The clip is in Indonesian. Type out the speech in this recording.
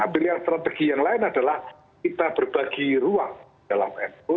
pilihan strategi yang lain adalah kita berbagi ruang dalam nu